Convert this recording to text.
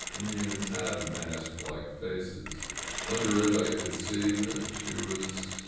Indians have mask like faces. Under it I could see that she was.